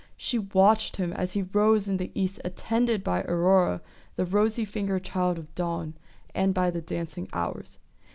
She watched him as he rose in the east attended by Aurora, the rosy fingered child of Dawn, and by the dancing Hours.